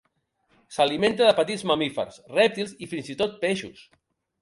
S'alimenta de petits mamífers, rèptils i fins i tot peixos.